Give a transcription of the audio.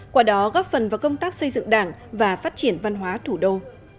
qua đó góp phần vào công tác xây dựng đảng và phát triển văn hóa thủ đô